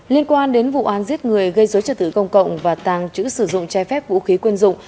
liên quan đến vụ án giết người gây dối trật tự công cộng và tàng trữ sử dụng trái phép vũ khí quân dụng